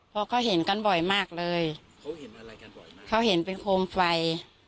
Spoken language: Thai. เพราะเขาเห็นกันบ่อยมากเลยเขาเห็นเป็นโคมไฟ